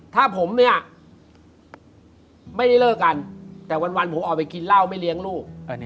ถ้าผมเนี่ยไม่ได้เลิกกันแต่วันผมออกไปกินเหล้าไม่เลี้ยงลูก